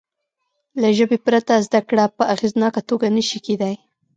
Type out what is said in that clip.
له ژبې پرته زده کړه په اغېزناکه توګه نه شي کېدای.